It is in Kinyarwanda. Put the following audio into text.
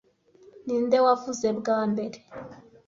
Ninde wavuze bwa mbere